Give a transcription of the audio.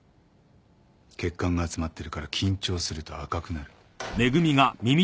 血管が集まってるから緊張すると赤くなる。